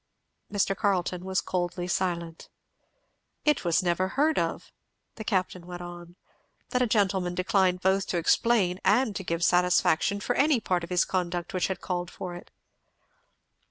Mr. Carleton was coldly silent. "It never was heard of," the Captain went on, "that a gentleman declined both to explain and to give satisfaction for any part of his conduct which had called for it."